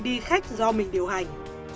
đi khách do mình điều hành